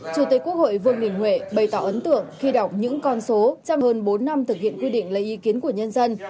chủ tịch quốc hội vương đình huệ bày tỏ ấn tượng khi đọc những con số trong hơn bốn năm thực hiện quy định lấy ý kiến của nhân dân